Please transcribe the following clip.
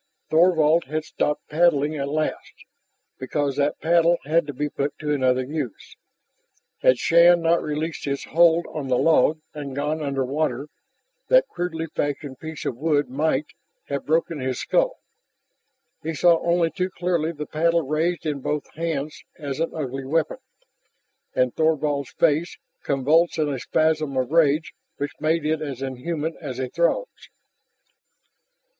Thorvald had stopped paddling at last, because that paddle had to be put to another use. Had Shann not released his hold on the log and gone under water, that crudely fashioned piece of wood might, have broken his skull. He saw only too clearly the paddle raised in both hands as an ugly weapon, and Thorvald's face, convulsed in a spasm of rage which made it as inhuman as a Throg's.